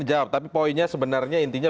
dijawab tapi poinnya sebenarnya intinya